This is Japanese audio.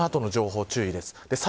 この後の情報、注意です。